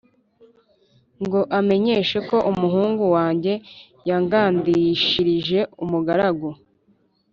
ngo amenyeshe ko umuhungu wanjye yangandishirije umugaragu